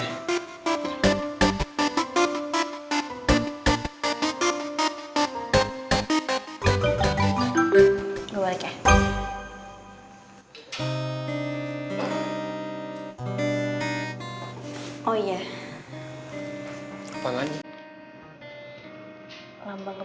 terus makanannya jangan kelimakan